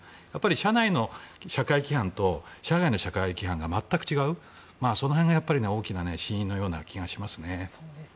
社内の社会規範と社外の社会規範が全く違う、その辺が大きな真因のような気がしますね。